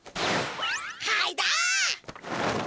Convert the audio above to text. はいだ！